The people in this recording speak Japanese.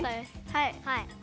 はい。